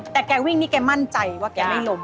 แต่แกวิ่งนี่แกมั่นใจว่าแกไม่ล้ม